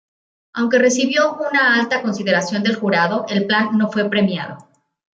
Aunque recibió una alta consideración del jurado, el plan no fue premiado.